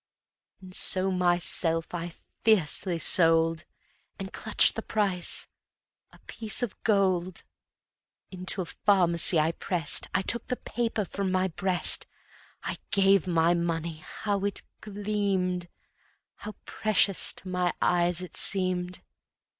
And so myself I fiercely sold, And clutched the price, a piece of gold. Into a pharmacy I pressed; I took the paper from my breast. I gave my money ... how it gleamed! How precious to my eyes it seemed!